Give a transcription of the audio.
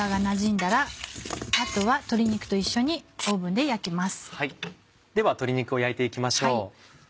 では鶏肉を焼いて行きましょう。